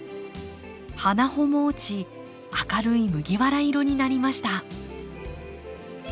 花穂も落ち明るい麦わら色になりました。